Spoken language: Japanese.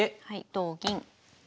はい同銀。